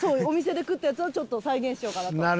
お店で食ったやつをちょっと再現しようかなと。